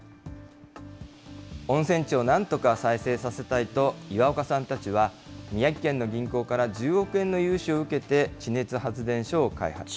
温泉地をなんとか再生させたいと、岩岡さんたちは、宮城県の銀行から１０億円の融資を受けて、１０億円。